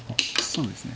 そうですね。